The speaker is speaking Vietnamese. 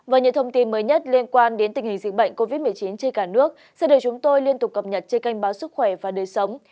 với những thông tin mới nhất liên quan đến tình hình dịch bệnh covid một mươi chín trên cả nước sẽ được chúng tôi liên tục cập nhật trên kênh báo sức khỏe và đời sống